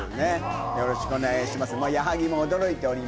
よろしくお願いします。